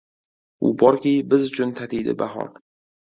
U borki, biz uchun tatiydi bahor